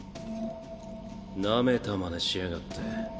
なめたまねしやがって。